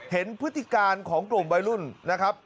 เห็นพฤติการของกลุ่มใบรุ่นนะครับ